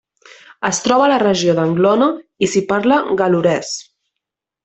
Es troba a la regió d'Anglona i s'hi parla gal·lurès.